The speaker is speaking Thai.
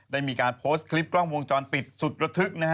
ได้มีการโพสต์คลิปกล้องวงจรปิดสุดระทึกนะฮะ